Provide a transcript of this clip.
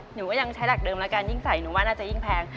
หนูก็ยังใช้หลักเดิมแล้วกันยิ่งใส่หนูว่าน่าจะยิ่งแพง